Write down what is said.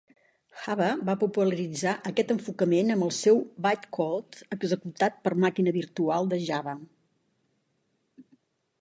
Java va popularitzar aquest enfocament amb el seu "bytecode" executat per la màquina virtual de Java.